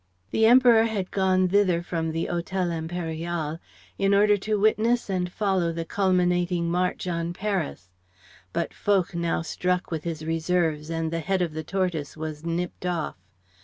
The Emperor had gone thither from the Hotel Impérial in order to witness and follow the culminating march on Paris. But Foch now struck with his reserves, and the head of the tortoise was nipped off.